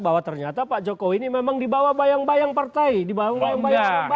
bahwa ternyata pak jokowi ini memang dibawa bayang bayang partai dibawa bayang bayang